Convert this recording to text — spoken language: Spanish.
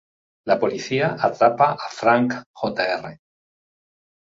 La policía atrapa a Frank Jr.